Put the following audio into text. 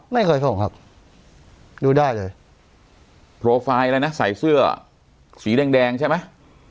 ไม่เคยส่งครับดูได้เลยโปรไฟล์อะไรนะใส่เสื้อสีแดงแดงใช่ไหม